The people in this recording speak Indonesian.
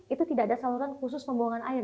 itu tidak ada saluran khusus pembuangan air